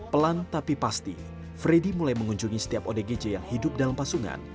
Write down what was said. pelan tapi pasti freddy mulai mengunjungi setiap odgj yang hidup dalam pasungan